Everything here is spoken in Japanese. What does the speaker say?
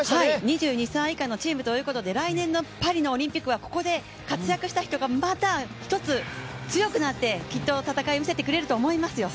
２２歳以下のチームということで来年のパリのオリンピックはここで活躍した人がまた一つ強くなってきっと戦いを見せてくれると思いますよ。